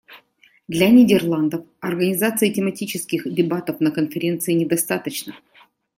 Для Нидерландов организации тематических дебатов на Конференции не достаточно.